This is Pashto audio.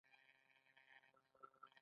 د یو توکي ارزښت په څو نورو توکو کې بیان شوی